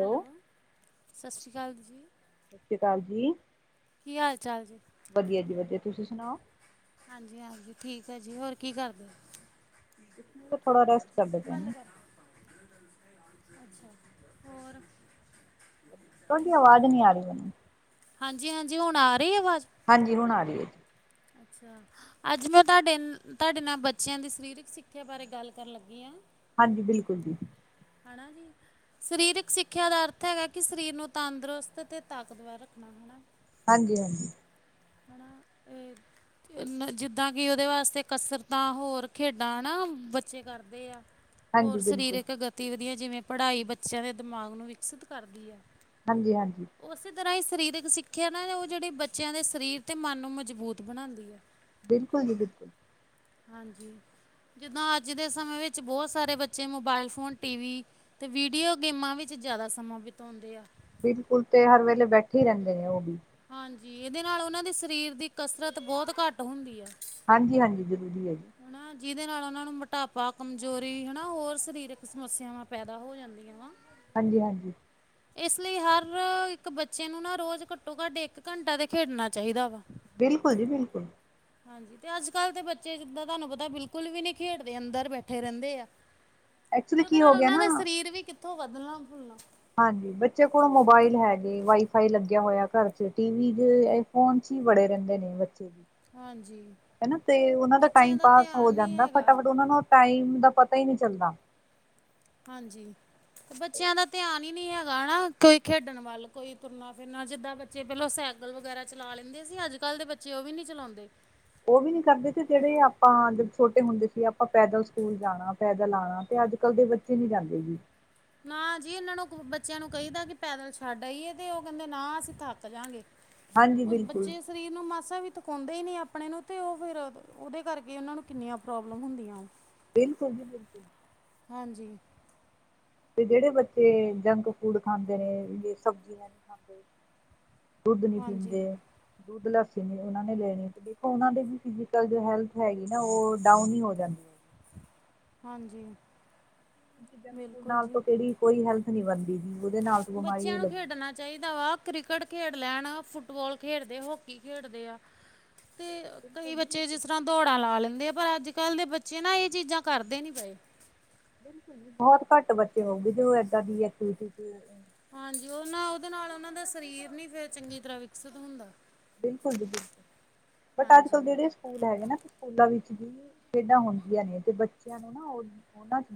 Hello, ਸਾਸ ਸ਼੍ਰੀ ਕਾਲ। ਸਸਰੀਕਾਲ ਜੀ। ਕੀ ਹਾਲ ਚਾਲ ਜੇ? ਵਧੀਆ ਜੀ ਵਧੀਆ ਤੁਸੀਂ ਸੁਣਾਓ। ਹਾਂਜੀ-ਹਾਂਜੀ ਠੀਕ ਐ ਜੀ ਹੋਰ ਕੀ ਕਰਦੇ? ਸ਼ਰੀਰ ਨੂੰ ਥੋੜਾ ਰੈਸਟ। ਕਰਦੇ ਪਏ ਬੰਦ ਨੇ ਕਰ ਦੋ ਅੱਛਾ ਹੋਰ ਤੁਆਡੀ ਆਵਾਜ਼ ਨੀ ਆ ਰੀ ਐ। ਹਾਂਜੀ-ਹਾਂਜੀ, ਹੁਣ ਆ ਰਈ ਅਵਾਜ਼? ਹਾਂਜੀ, ਹੁਣ ਆ ਰਈ ਏ। ਅੱਛਾ, ਅੱਜ ਮੈਂ ਤੁਹਾਡੇ-ਤੁਹਾਡੇ ਨਾਲ ਬੱਚਿਆਂ ਦੀ ਸਰੀਰਕ ਸਿੱਖ ਸਿਥਿਆ ਬਾਰੇ ਗੱਲ ਕਰਨ ਲੱਗੀ ਆਂ। ਹਾਂਜੀ, ਬਿਲਕੁਲ ਜੀ। ਹੈਨਾ ਜੀ, ਸਰੀਰਿਕ ਸਿੱਖਿਆ ਦਾ ਅਰਥ ਹੈਗਾ ਕਿ ਸਰੀਰ ਨੂੰ ਤੰਦਰੁਸਤ ਤੇ ਤਾਕਤਵਰ ਰੱਖਣਾ, ਹੋਣਾ ਹਾਂਜੀ-ਹਾਂਜੀ ਹੈਨਾ ਏਹ ਏਨਾਂ ਜਿੱਦਾਂ ਕਿ ਓਹਦੇ ਵਾਸਤੇ ਕਸਰਤਾਂ ਹੋਰ ਖੇਡਾਂ ਹੈਨਾ ਬੱਚੇ ਕਰਦੇ ਐ। ਆ [inaudible] ਹਾਂਜੀ ਹੋਰ ਬਿਲਕੁਲ ਸਰੀਰਕ ਗਤੀਵਿਧੀਆਂ ਜਿਵੇਂ ਪੜਾਈ ਬੱਚਿਆਂ ਦੇ ਦਿਮਾਗ ਨੂੰ ਵਿਕਸਿਤ ਕਰਦੀ ਐ ਹਾਂਜੀ-ਹਾਂਜੀ ਓਸੀ ਤਰ੍ਹਾਂ ਈ ਸਰੀਰਕ ਸਿੱਖਿਆ ਨਾ ਓਹ ਜੇਹੜੀ ਬੱਚਿਆਂ ਦੇ ਸਰੀਰ ਤੇ ਮਨ ਨੂੰ ਮਜ਼ਬੂਤ ਬਣਾਂਦੀ ਐ। ਬਿਲਕੁਲ ਜੀ ਬਿਲਕੁਲ। ਹਾਂਜੀ, ਜਿੱਦਾਂ ਅੱਜ ਦੇ ਸਮੇਂ ਵਿੱਚ ਬੋਤ ਸਾਰੇ ਬੱਚੇ ਮੋਬਾਇਲ ਫੋਨ, ਟੀ ਵੀ ਤੇ ਵੀਡੀਓ ਗੇਮਾਂ ਵਿੱਚ ਜਿਆਦਾ ਸਮਾਂ ਬਿਤੋਂਦੇ ਐ। ਬਿਲਕੁਲ ਤੇ ਹਰ ਵੇਲੇ ਬੈਠੇ ਰਹਿੰਦੇ ਨੇ ਓਹ ਵੀ ਹਾਂਜੀ, ਇਹਦੇ ਨਾਲ ਓਹਨਾਂ ਦੀ ਸਰੀਰ ਕਸਰਤ ਬੋਤ ਘੱਟ ਹੁੰਦੀ ਐ। ਹਾਂਜੀ-ਹਾਂਜੀ, ਜ਼ਰੂਰੀ ਐ ਜੀ। ਹੈਨਾ ਜਿਹਦੇ ਨਾਲ ਉਹਨਾਂ ਨੂੰ ਮੋਟਾਪਾ, ਕਮਜ਼ੋਰੀ ਹਨਾ ਹੋਰ ਸਰੀਰਕ ਸਮੱਸਿਆਵਾਂ ਪੈਦਾ ਹੋ ਜਾਂਦੀ [inaudible] ਹਾਂਜੀ-ਹਾਂਜੀ। ਇਸ ਲਈ ਹਰ ਇੱਕ ਬੱਚੇ ਨੂੰ ਨਾ ਰੋਜ ਘੱਟੋ ਘੱਟ ਏਕ ਘੰਟਾ ਤੇ ਖੇਡਣਾ ਚਾਹੀਦਾ ਵਾ। ਬਿਲਕੁਲ ਜੀ ਬਿਲਕੁਲ। ਹਾਂਜੀ, ਤੇ ਅੱਜ ਕੱਲ ਦੇ ਬੱਚੇ ਜਿੱਦਾਂ ਤੁਹਾਨੂੰ ਪਤਾ ਬਿਲਕੁਲ ਵੀ ਨਹੀ ਖੇਡਦੇ, ਅੰਦਰ ਬੈਠੇ ਰਹਿੰਦੇ ਐ। ਤੇ ਐਕਚੁਲੀ ਓਹਦੇ ਕੀ ਹੋ ਨਾਲ ਗਿਆ ਓਹਨਾਂ ਨਾ ਦਾ ਸਰੀਰ ਵੀ ਕਿੱਥੋਂ ਵਦਨਾ-ਫੁੱਲਨਾ ਹਾਂਜੀ, ਬੱਚੇ ਕੋਲ ਮੋਬਾਇਲ ਹੈਗੇ, ਵਾਈਫਾਈ ਲੱਗਿਆ ਹੋਇਆ ਘਰ ਚ, ਟੀਵੀ ਦੇ ਫੋਨ'ਚ ਈ ਵੜੇ ਰਹਿੰਦੇ ਨੇ ਬੱਚੇ ਵੀ ਹਾਂਜੀ ਹੈਨਾ ਤੇ ਓਹਨਾਂ ਦਾ ਬੱਚਿਆਂ ਟਾਈਮ ਪਾਸ ਹੋ ਧਿਆਨ ਨਹੀਂ ਜਾਂਦਾ ਹੈਗਾ ਫਟਾਫਟ ਉਹਨਾਂ ਨਾਲ ਟਾਈਮ ਦਾ ਪਤਾ ਈ ਨੀ ਚੱਲਦਾ। ਹਾਂਜੀ, ਬੱਚਿਆਂ ਦਾ ਧਿਆਨ ਈ ਨਈ ਹੈਗਾ ਹਨਾ ਕੋਈ ਖੇਡਣ ਵੱਲ, ਕੋਈ ਤੁਰਨਾ ਫਿਰਨਾ, ਜਿੱਦਾਂ ਬੱਚੇ ਪਹਿਲਾ ਸਾਈਕਲ ਵਗੈਰਾ ਚਲਾ ਲੈਂਦੇ ਸੀ ਅੱਜ-ਕੱਲ ਦੇ ਬੱਚੇ ਓਹ ਵੀ ਨਹੀ ਚਲਾਂਦੇ। ਓਹ ਵੀ ਨੀ ਕਰਦੇ ਤੇ ਜੇਹੜੇ ਆਪਾਂ ਜਦ ਛੋਟੇ ਹੁੰਦੇ ਸੀ ਆਪਾਂ ਪੈਦਲ ਸਕੂਲ ਜਾਨਾ, ਪੈਦਲ ਆਨਾ ਤੇ ਅੱਜ-ਕੱਲ ਦੇ ਬੱਚੇ ਨਈ ਜਾਂਦੇ ਜੀ। ਨਾਜੀ, ਇਹਨਾਂ ਨੂੰ ਬੱਚਿਆਂ ਨੂੰ ਕਹੀਦਾ ਕਿ ਪੈਦਲ ਛੱਡ ਆਈਏ ਤੇ ਓਹ ਕਹਿੰਦੇ ਨਾ ਅਸੀਂ ਥੱਕ ਜਾਂਗੇ। ਹਾਂਜੀ ਉਸ ਬਿਲਕੁਲ ਬੱਚੇ ਸਰੀਰ ਨੂੰ ਮਾਸਾ ਵੀ ਥਕੌਂਦੇ ਈ ਨੀ ਆਪਨੇ ਨੂੰ ਤੇ ਓਹ ਫਿਰ ਓਹਦੇ ਕਰਕੇ ਓਹਨਾਂ ਨੂੰ ਕਿੰਨੀਆਂ ਪ੍ਰੋਬਲਮ ਹੁੰਦੀਆਂ। ਬਿਲਕੁਲ ਜੀ ਬਿਲਕੁਲ। ਹਾਂਜੀ। ਤੇ ਜਿਹੜੇ ਬੱਚੇ ਜੰਕ ਫੂਡ ਖਾਂਦੇ ਨੇ, ਸਬਜ਼ੀਆਂ ਨੀ ਖਾਂਦੇ ਦੁੱਧ ਨੀ ਹਾਂਜੀ ਪੀਂਦੇ ਦੁੱਧ ਲੱਸੀ ਨੀ ਉਹਨਾਂ ਨੇ ਲੈਣੀ ਤੇ ਦੇਖੋ ਉਹਨਾਂ ਦੇ ਵੀ ਫਿਜੀਕਲ ਜੋ ਹੈਲਥ ਹੈਗੀ ਨਾ ਓਹ ਡਾਊਨ ਈ ਹੋ ਜਾਂਦੀ ਐ। ਹਾਂਜੀ। ਕਿਉਕਿ ਜੰਕ ਫੂਡ ਬਿਲਕੁਲ ਨਾਲ ਜੀ ਤੇ ਕੇਹੜੀ ਕੋਈ ਹੈਲਥ ਨੀ ਬਨਦੀ ਜੀ ਓਹਦੇ ਨਾਲ ਤੋਂ ਬਿਮਾਰੀਆਂ ਬੱਚਿਆਂ ਹੀ ਨੂੰ ਲੱਗਦੀਆਂ ਖੇਡਣਾ ਚਾਹੀਦਾ ਵਾ। ਕ੍ਰਿਕਟ ਖੇਡ ਲੈਣ, ਫੁੱਟਬਾਲ ਖੇਡਦੇ, ਹੋਕੀ ਖੇਡਦੇ ਆ। ਤੇ ਬਿਲਕੁਲ ਕਈ ਜੀ ਬਿਲਕੁਲ ਬੱਚੇ ਜਿਸ ਤਰ੍ਹਾਂ ਦੌੜਾਂ ਲਾ ਲੈਂਦੇ ਆ, ਪਰ ਅੱਜ -ਕੱਲ ਦੇ ਬੱਚੇ ਨਾ ਏ ਚੀਜ਼ਾਂ ਕਰਦੇ ਨੀ ਪਏ। ਬਿਲਕੁਲ ਜੀ, ਬਹੁਤ ਘੱਟ ਬੱਚੇ ਹੋਊਗੇ ਜੋ ਐਦਾ ਦੀ ਐਕਟੀਵਿਟੀ ਹਾਂਜੀ, ਓ ਨਾ ਓਦੇ ਨਾਲ ਉਹਨਾਂ ਦਾ ਸਰੀਰ ਨੀ ਫਿਰ ਚੰਗੀ ਤਰ੍ਹਾਂ ਵਿਕਸਿਤ ਹੁੰਦਾ। ਬਿਲਕੁਲ ਜੀ ਬਿਲਕੁਲ। ਬੱਟ ਅੱਜ -ਕੱਲ੍ਹ ਹਾਂਜੀ ਜਿਹੜੇ ਸਕੂਲ ਹੈਗੇ ਨਾ, ਸਕੂਲਾਂ ਵਿੱਚ ਵੀ ਖੇਡਾਂ ਹੁੰਦੀਆਂ ਨੇ ਤੇ ਬੱਚਿਆਂ ਨੂੰ ਨਾ ਓ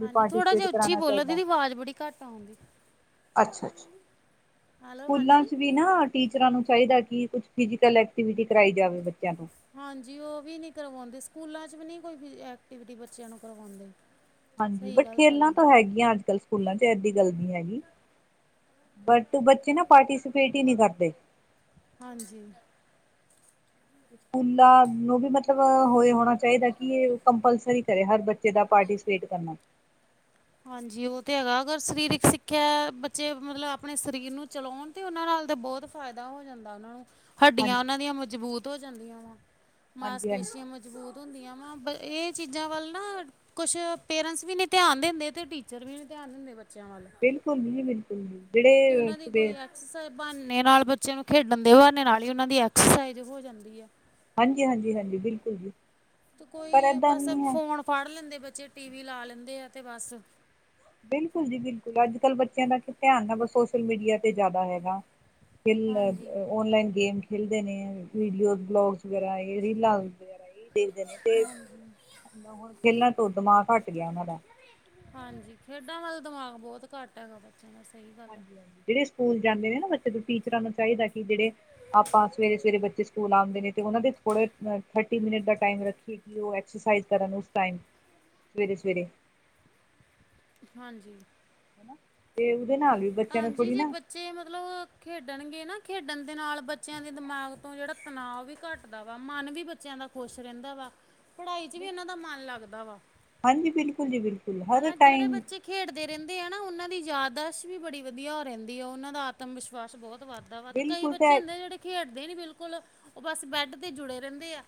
ਹਾਂਜੀ। ਥੋੜ੍ਹਾ ਜਿਹਾ ਉੱਚੀ ਬੋਲੋ ਦੀਦੀ, ਆਵਾਜ਼ ਬੜੀ ਘੱਟ ਆਉਣ ਦਈ। ਅੱਛਾ -ਅੱਛਾ। ਸਕੂਲਾਂ ਹਾਂਜੀ ਚ ਵੀ ਨਾ ਟੀਚਰਾਂ ਨੂੰ ਚਾਹੀਦਾ ਕਿ ਕੁਛ ਫਿਜੀਕਲ ਐਕਟੀਵਿਟੀ ਕਰਾਈ ਜਾਵੇ ਬੱਚਿਆਂ ਤੋਂ। ਹਾਂਜੀ। ਉਹ ਵੀ ਨਹੀਂ ਕਰਵਾਉਂਦੇ, ਸਕੂਲਾਂ 'ਚ ਵੀ ਨਹੀਂ ਕੋਈ ਫਿ ਐਕਟੀਵਿਟੀ ਬੱਚਿਆਂ ਨੂੰ ਕਰਵਾਉਂਦੇ। ਹਾਂਜੀ। ਸਹੀ ਬਟ ਗੱਲ ਖੇਲਾਂ ਤੁਹਾਡੀ ਤਾਂ ਹੈਗੀਆਂ ਅੱਜ ਕੱਲ੍ਹ। ਸਕੂਲਾਂ ਚ ਏਡੀ ਗੱਲ ਨੀ ਹੈਗੀ। ਬੱਟ ਬੱਚੇ ਨਾ ਪਾਰਟੀਸਪੇਟ ਹੀ ਨਹੀ ਕਰਦੇ। ਹਾਂਜੀ। ਸਕੂਲਾਂ ਨੂੰ ਵੀ ਮਤਲਬ ਹੋਏ ਹੋਣਾ ਚਾਹੀਦਾ ਕਿ ਇਹ ਕੰਪਲਸਰੀ ਕਰੇ ਹਰ ਬੱਚੇ ਦਾ ਪਾਰਟੀ ਸਿਪੇਟ ਕਰਨਾ। ਹਾਂਜੀ ਉਹ ਤੇ ਹੈਗਾ, ਅਗਰ ਸਰੀਰਕ ਸਿੱਖਿਆ ਬੱਚੇ ਮਤਲਬ ਆਪਣੇ ਸਰੀਰ ਨੂੰ ਚਲਾਉਣ ਤੇ ਓਨਾਂ ਨਾਲ ਤਾਂ ਬਹੁਤ ਫਾਇਦਾ ਹੋ ਜਾਂਦਾ ਉਹਨਾਂ ਨੂੰ। ਹਾਂਜੀ। ਹੱਡੀਆਂ ਉਹਨਾਂ ਦੀਆਂ ਮਜ਼ਬੂਤ ਹੋ ਜਾਂਦੀਆਂ ਵਾ, ਹਾਂਜੀ ਹਾਂਜੀ ਮਾਸਪੇਸ਼ੀਆਂ ਮਜ਼ ਮਜ਼ਬੂਤ ਹੁੰਦੀਆਂ ਵਾ, ਬ ਏ ਚੀਜ਼ਾਂ ਵੱਲ ਨਾ ਕੁਛ ਪੇਰੈਂਟਸ ਵੀ ਨਹੀਂ ਧਿਆਨ ਦਿੰਦੇ ਤੇ ਟੀਚਰ ਵੀ ਧਿਆਨ ਦਿੰਦੇ ਬੱਚਿਆਂ ਵੱਲ। ਬਿਲਕੁਲ ਵੀ ਨੀ ਦਿੰਦੇ। ਕਿ ਉਨ੍ਹਾਂ ਦੀ ਕੋਈ ਐਕ ਇਸ ਬਹਾਨੇ ਨਾਲ ਬੱਚਿਆਂ ਨੂੰ ਖੇਡਣ ਦਿਓ, ਨਾਲੇ ਉਹਨਾਂ ਦੀ ਐਕਸਰਸਾਈਜ਼ ਹੋ ਜਾਂਦੀ ਐ। ਹਾਂਜੀ ਹਾਂਜੀ, ਹਾਂਜੀ ਬਿਲਕੁਲ ਜੀ। ਤੇ ਪਰ ਕੋਈ ਏਦਾਂ ਬਸ ਨਹੀਂ ਹੈ ਫੋਨ ਫੜ ਲੈਂਦੇ ਬੱਚੇ, ਟੀ ਵੀ ਲਾ ਲੈਂਦੇ ਆ ਤੇ ਬਸ। ਬਿਲਕੁਲ ਜੀ ਬਿਲਕੁਲ। ਅੱਜ- ਕੱਲ ਬੱਚਿਆਂ ਦਾ ਧਿਆਨ ਹੈ ਬਸ ਸੋਸ਼ਲ ਮੀਡੀਆ ਤੇ ਜ਼ਿਆਦਾ ਹੈਗਾ। ਖੇ ਹਾਂਜੀ ਓਨਲਾਈਨ ਗੇਮ ਖੇਲਦੇ ਨੇ, ਵੀਡੀਓ ਵਲੋਗਸ ਵਗੈਰਾ, ਰੀਲਾਂ ਵਗੈਰਾ ਏ ਦੇਖਦੇ ਨੇ, ਤੇ ਹੁਣ ਖੇਲਣ ਤੋਂ ਦਿਮਾਗ ਘੱਟ ਗਿਆ ਉਹਨਾਂ ਦਾ। ਹਾਂਜੀ, ਖੇਡਾਂ ਵੱਲ ਦਿਮਾਗ ਬਹੁਤ ਘੱਟ ਹੈਗਾ ਬ ਚਲਨਾ ਸਹੀ ਵਾ ਹਾਂਜੀ -ਹਾਂਜੀ ਜਿਹੜੇ ਸਕੂਲ ਜਾਂਦੇ ਨੇ ਨਾ ਬੱਚੇ, ਤੋਂ ਟੀਚਰਾਂ ਨੂੰ ਚਾਹੀਦਾ ਕਿ ਜਿਹੜੇ ਆਪਾਂ ਸਵੇਰੇ- ਸਵੇਰੇ ਬੱਚੇ ਸਕੂਲ ਆਉਂਦੇ ਨੇ ਤੇ ਉਹਨਾਂ ਦੇ ਥੋੜੇ ਥਰਟੀ ਮਿੰਟ ਦਾ ਟਾਈਮ ਰੱਖੀਏ ਕੀ ਓ ਐਕਸਰਸਾਈਜ਼ ਕਰਨ ਓਸ ਟਾਇਮ ਸਵੇਰੇ- ਸਵੇਰੇ। ਹਾਂਜੀ। ਹਨਾ ਤੇ ਉਦੇ ਨਾਲ ਵੀ ਬੱਚਿਆਂ ਨੂੰ ਹਾਂਜੀ ਥੋੜ੍ਹੀ ਨਾ ਜੇ ਮਤਲਬ ਖੇਡਣਗੇ ਨਾ ਖੇਡਣ ਦੇ ਨਾਲ ਬੱਚਿਆਂ ਦੇ ਦਿਮਾਗ ਤੋਂ ਜਿਹੜਾ ਤਣਾਅ ਵੀ ਘੱਟ ਦਾ ਵਾ ਮਨ ਵੀ ਬੱਚਿਆਂ ਦਾ ਖੁਸ਼ ਰਹਿੰਦਾ ਵਾ, ਪੜ੍ਹਾਈ ' ਵੀ ਇਹਨਾਂ ਦਾ ਮਨ ਲੱਗਦਾ ਵਾ। ਹਾਂਜੀ, ਬਿਲਕੁਲ ਜੀ ਬਿਲਕੁ ਹਨਾ ਜਿਹੜੇ ਬੱਚੇ ਖੇਡਦੇ ਰਹਿੰਦੇ ਆ ਨਾ, ਉਹਨਾਂ ਦੀ ਯਾਦਾਸ਼ਤ ਵੀ ਬੜੀ ਵਧੀਆ ਰਹਿੰਦੀ, ਉਹਨਾਂ ਦਾ ਆਤਮ ਵਿਸ਼ਵਾਸ ਬਹੁਤ ਵੱਧਦਾ ਵਾ ਤੇ ਕਈ ਬਿਲਕੁਲ ਬੱਚੇ ਤਾਂ ਹੁੰਦੇ ਜਿਹੜੇ ਖੇਡਦੇ ਨੀ ਬਿਲਕੁਲ, ਉਹ ਬਸ ਬੈਡ ਤੇ ਜੁੜੇ ਰਹਿੰਦੇ ਆ।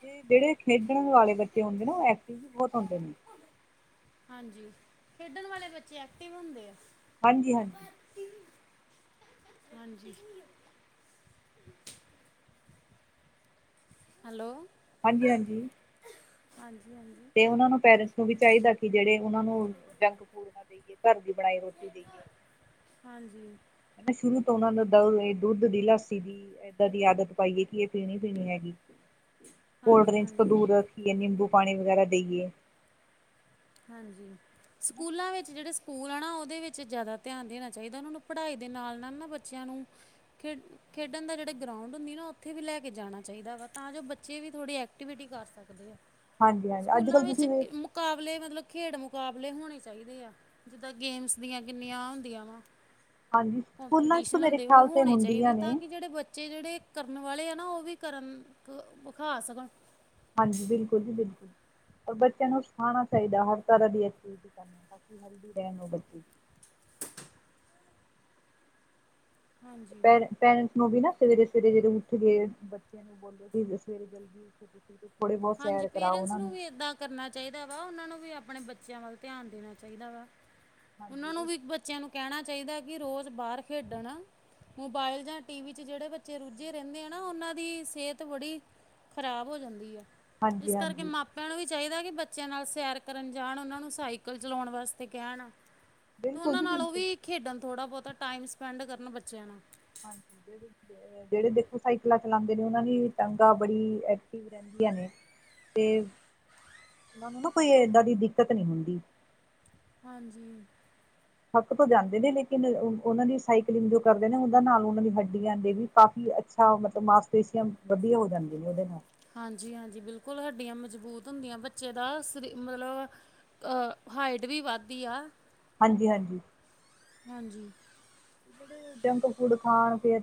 ਤੇ ਜੇੜੇ ਖੇਡਣ ਵਾਲੇ ਬੱਚੇ ਹੁੰਦੇ ਨੇ ਨਾ, ਉਹ ਐਕਟਿਵ ਵੀ ਬਹੁਤ ਹੁੰਦੇ ਨੇ। ਹਾਂਜੀ ਖੇਡਣ ਵਾਲੇ ਬੱਚੇ ਐਕਟਿਵ ਹੁੰਦੇ ਆ। ਹਾਂਜੀ-ਹਾਂਜੀ। ਹਾਂਜੀ। ਹੈਲੋ ਹਾਂਜੀ-ਹਾਂਜੀ। ਹਾਂਜੀ-ਹਾਂਜੀ ਓਨਾ ਨੂੰ ਪੇਰੈਂਟਸ ਨੂੰ ਵੀ ਚਾਈਦਾ ਕਿ ਜੇੜੇ ਉਹਨਾਂ ਨੂੰ ਜੰਕ ਫੂਡ ਨਾ ਦੇਈਏ। ਕਾਰ ਦੀ ਬਣਾਈ ਰੋਟੀ ਦੇਈਏ। ਹਾਂਜੀ [unintelligible] ਸ਼ੁਰੂ ਤੋਂ ਉਹਨਾਂ ਨੂੰ ਦੀ, ਦੁੱਧ ਦੀ, ਲੱਸੀ ਦੀ ਏਦਾਂ ਦੀ ਆਦਤ ਪਾਈ ਏ ਕਿ ਏ ਪੀਣੀ-ਪੀਣੀ ਹੈਗੀ। ਕੋਲਡ ਹਾਂਜੀ ਡਰਿੰਕਸ ਤੋਂ ਹਾਂਜੀ ਦੂਰ ਰੱਖੀਏ ਨਿੰਬੂ ਪਾਨੀ ਵਗੈਰਾ ਦੇਈਏ। ਹਾਂਜੀ ਸਕੂਲਾਂ ਵਿੱਚ ਜੇੜੇ ਸਕੂਲ ਆ ਨਾ ਉਦੇ ਵਿੱਚ ਜਾਦਾ ਧਿਆਨ ਦੇਣਾ ਚਾਈਦਾ ਉਨਾਂ ਨੂੰ ਪੜ੍ਹਾਈ ਦੇ ਨਾਲ-ਨਾਲ ਨਾ ਬੱਚਿਆਂ ਨੂੰ ਖੇਡ ਖੇਡਣ ਦਾ ਜੇੜਾ ਗਰਾਉਂਡ ਹੁੰਦੀ ਨਾ ਉੱਥੇ ਵੀ ਲੈ ਕੇ ਜਾਣਾ ਚਾਈਦਾ ਵਾ ਤਾਂ ਜੋ ਬੱਚੇ ਵੀ ਥੋੜੀ ਐਕਟੀਵਿਟੀ ਕਰ ਸਕਦੇ ਐ। ਹਾਂਜੀ ਹਾਂਜੀ ਅੱਜ ਸਕੂਲਾਂ ਕੱਲ੍ਹ ਤੁਸੀਂ ਵਿੱਚ ਵੇ ਮੁਕਾਬਲੇ ਮਤਲਬ ਖੇਡ ਮੁਕਾਬਲੇ ਹੋਣੇ ਚਾਈਦੇ ਆ। ਜਿੱਦਾਂ ਗੇਮਸ ਦੀਆਂ ਕਿੰਨੀਆਂ ਹੁੰਦੀਆਂ ਵਾ। ਹਾਂਜੀ ਸਕੂਲਾਂ ਚ ਤਾਂ ਕੰਪੀਟੀਸ਼ਨ ਮੇਰੇ ਹੁੰਦੇ ਓਹ ਖਿਆਲ ਤੇ ਹੋਣੇ ਚਾਈਦੇ ਹੁੰਦੀਆਂ ਨੇ ਤਾਂ ਕਿ ਜੇੜੇ ਬ ਬੱਚੇ ਜੇੜੇ ਕਰਨ ਵਾਲੇ ਆ ਨਾ ਉਹ ਵੀ ਕਰਨ ਵਖਾ ਸਕਨ। ਹਾਂਜੀ ਬਿਲਕੁਲ ਜੀ ਬਿਲਕੁਲ ਔਰ ਬੱਚਿਆਂ ਨੂੰ ਸਿਖਾਉਣਾ ਚਾਈਦਾ ਹਰ ਤਰ੍ਹਾਂ ਦੀ ਐਕਟੀਵਿਟੀ ਕਰਨੀ ਬਾਕੀ ਹੈਲਦੀ ਰੇਨ ਉਹ ਬੱਚੇ। ਹਾਂਜੀ ਪ ਪੈਰੈਂਟਸ ਨੂੰ ਵੀ ਨਾ ਸਵੇਰੇ-ਸਵੇਰੇ ਜੇੜੇ ਉੱਠ ਗਏ ਬੱਚੇ ਨੂੰ ਬੋਲੇ ਸਵੇਰੇ ਜਲਦੀ ਤੁਸੀਂ ਥੋੜ੍ਹੇ ਬਹੲਤ ਹਾਂਜੀ ਸੈਰ ਕਰਾਓ ਪੇਰੈਂਟਸ ਉਨਾ ਨੂੰ। ਵੀ ਇੱਦਾਂ ਕਰਨਾ ਚਾਈਦਾ ਵਾ ਉਨਾਂ ਨੂੰ ਵੀ ਆਪਣੇ ਬੱਚਿਆਂ ਵੱਲ ਧਿਆਨ ਦੇਣਾ ਚਾਈਦਾ ਵਾ ਉਹਨਾਂ ਨੂੰ ਹਾਂਜੀ ਵੀ ਬ ਚਿਆਂ ਨੂੰ ਕੇਣਾ ਚਾਈਦਾ ਕਿ ਰੋਜ਼ ਬਾਰ ਖੇਡਣ। ਮੋਬਾਇਲ ਜਾਂ ਟੀ ਵੀ ਚ ਜੇੜੇ ਬੱਚੇ ਰੁੱਝੇ ਰੇੰਦੇ ਆ ਨਾ ਉਨਾਂ ਦੀ ਸੇਹਤ ਬੜੀ ਖਰਾਬ ਹੋ ਜਾਂਦੀ ਐ ਹਾਂਜੀ ਇਸ ਕਰਕੇ ਹਾਂਜੀ ਮਾਪ ਪਿਆ ਨੂੰ ਵੀ ਚਾਈਦਾ ਕਿ ਬੱਚਿਆਂ ਨਾਲ ਸੈਰ ਕਰਨ ਜਾਣ, ਉਨਾਂ ਨੂੰ ਸਾਈਕਲ ਚਲਾਉਣ ਵਾਸਤੇ ਕੇਣ। ਤੇ ਬਿਲਕੁਲ ਓਨਾਂ ਜੀ ਨਾਲ ਉਹ ਬਿਲਕੁਲ ਵੀ ਖੇਡਣ ਥੋੜ੍ਹਾ ਬੋਤਾ ਟਾਈਮ ਸਪੈਂਡ ਕਰਨ ਬੱਚਿਆਂ ਨਾ। ਹਾਂਜੀ [unintelligible] ਜੇੜੇ ਦੇਖੋ ਸਾਈਕਲਾਂ ਚਲਾਂਦੇ ਨੇ ਓਨਾਂ ਦੀ ਟੰਗਾਂ ਬੜੀ ਐਕਟਿਵ ਰਹਿੰਦੀਆਂ ਨੇ। ਤੇ ਉਨਾਂ ਨੂੰ ਨਾ ਕੋਈ ਏਦਾਂ ਦੀ ਦਿੱਕਤ ਨੀ ਹੁੰਦੀ। ਹਾਂਜੀ। ਥੱਕ ਤੋਂ ਜਾਂਦੇ ਨੇ ਲੇਕਿਨ ਉਨਾਂ ਦੀ ਸਾਈਕਲਿੰਗ ਜੋ ਕਰਦੇ ਨੇ ਉਨਾਂ ਨਾਲ ਉਨਾਂ ਦੀ ਹੱਡੀਆਂ ਦੇ ਵੀ ਕਾਫੀ ਅ ਆ ਮਤਲਬ ਮਾਸਪੇਸ਼ੀਅਮ ਵਧੀਆ ਹੋ ਜਾਂਦੀ ਨੇ ਓਦੇ ਨਾਲ। ਹਾਂਜੀ-ਹਾਂਜੀ ਬਿਲਕੁਲ ਹੱਡੀਆਂ ਮਜ਼ਬੂਤ ਹੁੰਦੀਆਂ ਬੱਚੇ ਦਾ ਸਰੀ ਮਤਲਬ ਅ ਹਾਈਟ ਵੀ ਵੱਧਦੀ ਆ। ਹਾਂਜੀ-ਹਾਂਜੀ। ਹਾਂਜੀ। ਜਿੜੇ ਜੰਕ ਫੂਡ ਖਾਣ ਫੇਰ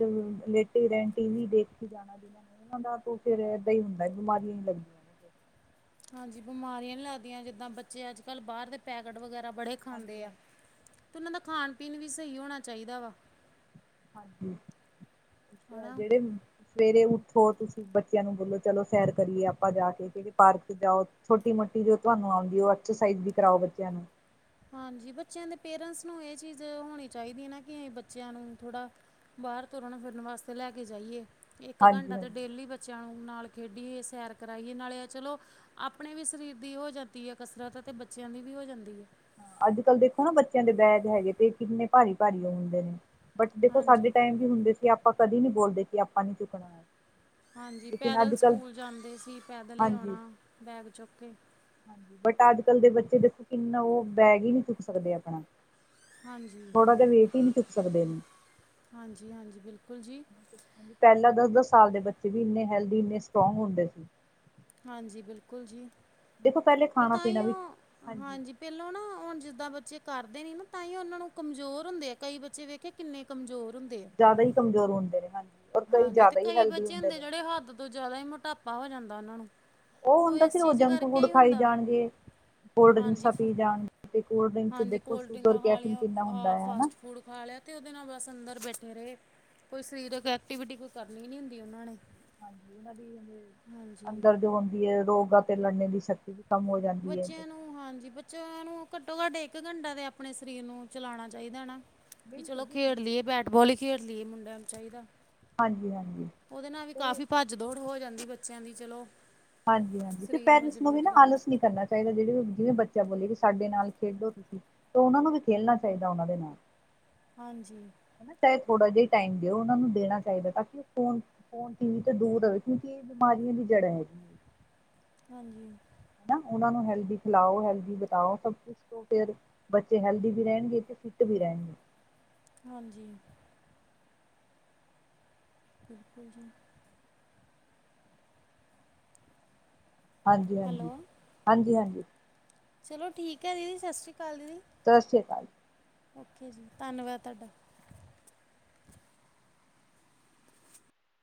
ਲੇਟੇ ਰੇਣ ਟੀ ਵੀ ਦੇਖੀ ਜਾਣਾ ਦੇ [unintelligible] ਫਿਰ ਏਦਾਂ ਹੀ ਹੁੰਦਾ ਬਿਮਾਰੀਆਂ ਨੀ ਲੱਗ ਹਾਂਜੀ ਬਿਮਾਰੀਆਂ ਨੀ ਲੱਗਦੀਆਂ ਜਿੱਦਾਂ ਬੱਚੇ ਅੱਜ ਕੱਲ੍ਹ ਬਾਰ ਦੇ ਪੈਕੇਟ ਵਗੈਰਾ ਬੜੇ ਹਾਂਜੀ ਖਾਂਦੇ ਆ। ਹਾਂਜੀ ਤੇ ਉਨਾਂ ਦਾ ਖਾਣ ਪੀਨ ਵੀ ਸਈ ਹੋਣਾ ਚਾਈਦਾ ਵਾ। ਹਾਂਜੀ ਅੱਛਾ ਹਨਾ। ਜੇੜੇ ਸਵੇਰੇ ਉੱਠੋ ਤੁਸੀਂ ਬੱਚਿਆਂ ਨੂੰ ਬੋਲੋ ਚਲੋ ਸੇਰ ਕਰੀਏ ਆਪਾਂ ਜਾ ਕੇ ਕਿੜੇ ਪਾਰਕ ਜਾਓ ਛੋਟੀ ਮੋਟੀ ਜੋ ਤੁਆਨੂੰ ਆਉਂਦੀ ਓ ਐਕਸਰਸਾਈਜ਼ ਵੀ ਕਰਾਓ ਬੱਚਿਆਂ ਨੂੰ। ਹਾਂਜੀ ਬੱਚਿਆਂ ਦੇ ਪੇਰੈਂਟਸ ਨੂੰ ਏ ਚੀਜ਼ ਹੋਣੀ ਚਾਈਦੀ ਨਾ ਕਿ ਬੱਚਿਆਂ ਨੂੰ ਥੋੜ੍ਹਾ ਬਾਰ ਤੁਰਨ ਫਿਰਨ ਵਾਸਤੇ ਲੈ ਕੇ ਜਾਈਏ ਏਕ ਹਾਂਜੀ ਘੰਟਾ ਤੇ ਹਾਂਜੀ ਡੇਲੀ ਬੱਚ ਬੱਚਿਆਂ ਨੂੰ ਨਾਲ ਖੇਡੀਏ ਸੈਰ ਕਰਾਈਏ ਨਾਲੇ ਚਲੋ ਆਪਣੇ ਵੀ ਸਰੀਰ ਦੀ ਹੋ ਜਾਤੀ ਐ ਕਸਰਤ ਤੇ ਬੱਚਿਆਂ ਦੀ ਵੀ ਹੋ ਜਾਂਦੀ ਐ। ਹਾਂ, ਅੱਜ ਕੱਲ੍ਹ ਦੇਖੋ ਨਾ ਬੱਚਿਆਂ ਦੇ ਬੈਗ ਹੈਗੇ ਤੇ ਕਿੰਨੇ ਭਾਰੀ- ਭਾਰੀ ਉ ਹੁੰਦੇ ਨੇ ਬਟ ਦੇਖੋ ਹਾਂਜੀ ਸਾਡੇ ਟਾਈਮ ਵੀ ਹੁੰਦੇ ਸੀ ਆਪਾਂ ਕਦੇ ਨੀ ਬੋਲਦੇ ਕਿ ਆਪਾਂ ਨੀ ਚੁੱਕਣਾ ਐ। ਹਾਂਜੀ ਪੈਦਲ ਸਕੂਲ ਜਾਂਦੇ ਸੀ ਪੈਦਲ ਈ ਹਾਂਜੀ ਆਉਣਾ ਬੈਗ ਚੁੱਕ ਕੇ। ਹਾਂਜੀ ਬਟ ਅੱਜ ਬੱਚੇ ਦੇਖੋ ਕਿੰਨਾ ਉ ਬੈਗ ਈ ਨੀ ਚੁੱਕ ਸਕਦੇ ਆਪਣਾ ਹਾਂਜੀ-ਹਾਂਜੀ-ਹਾਂਜੀ ਥੋੜਾ ਜਿਹਾ ਵੇਟ ਹੀ ਨਹੀਂ ਚੁੱਕ ਸਕਦੇ ਨੇ ਬਿਲਕੁਲ ਜੀ। ਪੈਲਾਂ ਦਸ-ਦਸ ਸਾਲ ਦੇ ਬੱਚੇ ਵੀ ਇੰਨੇ ਹੈਲਦੀ, ਇੰਨੇ ਸਟਰੋਂਗ ਹੁੰਦੇ ਸੀ। ਹਾਂਜੀ ਬਿਲਕੁਲ ਜੀ ਦੇਖੋ ਪਹਿਲੇ ਉ ਖਾਣਾ ਪੀਣਾ ਤਾਂਈਓ ਵੀ ਹਾਂਜੀ ਪੈਲੋਂ ਨਾ ਹੁਨ ਜਿੱਦਾਂ ਬੱਚੇ ਕਰਦੇ ਨੀ ਨਾ ਤਾਂਈਓ ਉਨਾਂ ਨੂੰ ਕਮਜ਼ੋਰ ਹੁੰਦੇ ਆ ਕਈ ਬੱਚੇ ਵੇਖ ਕਿ ਕਿੰਨੇ ਕਮਜ਼ੋਰ ਹੁੰਦੇ ਆ। ਜਾਦਾ ਈ ਕਮਜ਼ੋਰ ਹੁੰਦੇ ਨੇ। ਔਰ ਕਈ ਹਾਂਜੀ ਤੇ ਜ਼ਿਆਦਾ ਹੀ ਕਈ ਹੈਲਦੀ ਬੱਚੇ ਹੁੰਦੇ ਨੇ ਜੇੜੇ ਹੱਦ ਤੋਂ ਜਾਦਾ ਈ ਮੋਟਾਪਾ ਹੋ ਜਾਂਦਾ ਉਨਾਂ ਨੂੰ ਉ ਉਹ ਹੁੰਦਾ ਇਸ ਫੇਰ ਉ ਚੀਜ਼ ਜੰਕ ਕਰਕੇ ਫੂਡ ਹੀ ਖਾਈ ਹੁੰਦਾ ਜਾਣਗੇ ਕੋਲਡ ਹਾਂਜੀ ਡ੍ਰਿੰਕਸਾਂ ਫ ਪੀ ਜਾਨਗੇ ਤੇ ਕੋਲਡ ਡ੍ਰਿੰਕ ਚ ਹਾਂਜੀ ਦੇਖੋ ਕੋਲਡ ਸ਼ੂਗਰ ਡਰਿੰਕਾਂ ਖਾ ਕੈਫਿਨ ਲਈਆਂ ਕਿੰਨਾ ਹੁੰਦਾ ਆਹ ਐ ਹਨਾ। ਫਾਸਟ ਫੂਡ ਖਾ ਲਿਆ ਤੇ ਉਦੇ ਨਾਲ ਬਸ ਅੰਦਰ ਬੈਠੇ ਰਏ ਕੋਈ ਸਰੀਰਕ ਐਕਟੀਵਿਟੀ ਕੋਈ ਕਰਨੀ ਨੀ ਹੁੰਦੀ ਉਨਾਂ ਨੇ। ਹਾਂਜੀ ਉਨਾਂ ਦੀ ਹਾਂਜੀ। ਅੰਦਰ ਜੋ ਰੋਂਦੀ ਏ ਰੋਗਾ ਤੇ ਲੜਨੇ ਦੀ ਸ਼ਕਤੀ ਵੀ ਕੰਮ ਹੋ ਜਾਂਦੀ ਹੈ ਬੱਚਿਆਂ ਨੂੰ ਹਾਂਜੀ ਬੱਚਿਆਂ ਨੂੰ ਘੱਟੋ ਘੱਟ ਏਕ ਘੰਟਾ ਤੇ ਆਪਣੇ ਸਰੀਰ ਨੂੰ ਚਲਾਉਣਾ ਚਾਈਦਾ ਨਾ ਵੀ ਬਿਲਕੁਲ ਚਲੋ ਜੀ ਖੇਡ ਬਿਲਕੁਲ ਲਈਏ ਬੈਠ ਬੋਲ ਈ ਖੇਡ ਲਈਏ ਮੁੰਡਿਆਂ ਨੂੰ ਚਾਈਦਾ। ਹਾਂਜੀ-ਹਾਂਜੀ। ਉਦੇ ਨਾਲ ਵੀ ਕਾਫ਼ੀ ਭੱਜ ਦੌੜ ਹੋ ਜਾਂਦੀ ਬੱਚਿਆਂ ਦੀ ਚਲੋ ਹਾਂਜੀ-ਹਾਂਜੀ ਤੇ ਸਰੀਰ ਪੈਰੈਂਟਸ ਨੂੰ ਵੀ ਮਜ਼ਬੂਤ ਨਾ ਰਹਿੰਦਾ। ਆਲਸ ਨੀ ਕਰਨਾ ਚਾਹ ਚਾਈਦਾ ਜਿਦੇ ਜਿਵੇਂ ਬੱਚਾ ਬੋਲੇ ਕਿ ਸਾਡੇ ਨਾਲ ਖੇਡੋ ਤੁਸੀਂ ਤਾਂ ਉਨਾਂ ਨੂੰ ਵੀ ਖੇਲਣਾ ਚਾਈਦਾ ਉਨਾਂ ਦੇ ਨਾਲ। ਹਾਂਜੀ। ਹਨਾ ਚਾਹੇ ਥੋੜ੍ਹਾ ਜਿਆ ਟਾਈਮ ਦੇਓ ਉਨਾ ਨੂੰ ਦੇਣਾ ਚਾਈਦਾ ਤਾਂ ਕਿ ਉ ਫੋਨ ਫੋਨ, ਟੀ ਵੀ ਤੇ ਦੂਰ ਰਵੇ ਕਿਉਂਕਿ ਏ ਬਿਮਾਰੀਆਂ ਦੀ ਜੜ੍ਹਾਂ ਹੈਗੀ। ਹਾਂਜੀ। ਹਨਾ ਉਨਾਂ ਨੂੰ ਹੈਲਦੀ ਖਿਲਾਓ, ਹੈਲਦੀ ਬਿਤਾਓ ਸਭ ਕੁਛ। ਤੋਂ ਫੇਰ ਬੱਚੇ ਹੈਲਦੀ ਵੀ ਰੈਨਗੇ ਤੇ ਫਿੱਟ ਵੀ ਰੈਨਗੇ। ਹਾਂਜੀ। ਬਿਲਕੁਲ ਜੀ। ਹਾਂਜੀ-ਹਾਂਜੀ, ਹੈਲੋ। ਹਾਂਜੀ -ਹਾਂਜੀ। ਚਲੋ ਠੀਕ ਐ ਦੀਦੀ ਸਸਰੀ ਕਾਲ ਦੀਦੀ। ਸਸਰੀ ਕਾਲ। ਓਕੇ ਜੀ ‌, ਧੰਨਵਾਦ ਤੁਹਾਡਾ।